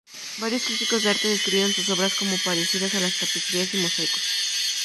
Varios críticos de arte describieron sus obras como parecidas a los tapicerías y mosaicos.